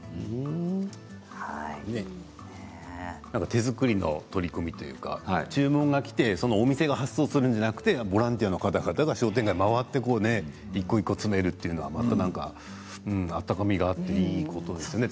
手作りの取り組みというか注文がきてお店が発送をするんじゃなくてボランティアの方々が商店街を回って一個一個詰めるというのはまたなんか、温かみがあっていいことですよね